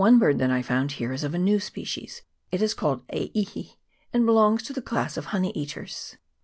147 bird that I found here is of a new species ; it is called E Ihi, and belongs to the class of the honey eaters.